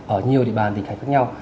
ở nhiều địa bàn định hành khác nhau